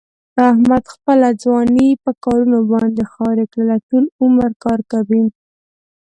احمد خپله ځواني په کارونو باندې خاورې کړله. ټول عمر کار کوي.